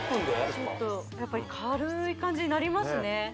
ちょっとやっぱり軽い感じになりますね